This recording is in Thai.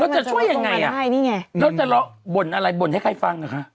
เราจะช่วยยังไงอ่ะนี่ไงเราจะเลาะบ่นอะไรบ่นให้ใครฟังนะคะ